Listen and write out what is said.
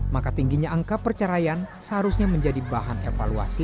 maka tingginya angka perceraian seharusnya menjadi bahan evaluasi